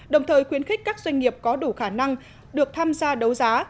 đồng thời khuyến khích các doanh nghiệp có đủ khả năng được tham gia đấu giá